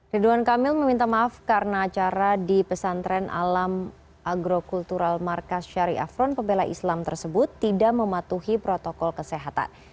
ridwan kamil meminta maaf karena acara di pesantren alam agrokultural markas syariah front pembela islam tersebut tidak mematuhi protokol kesehatan